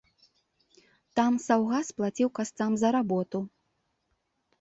Там саўгас плаціў касцам за работу.